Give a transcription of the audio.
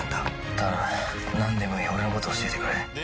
頼む、何でもいい俺のことを教えてくれ。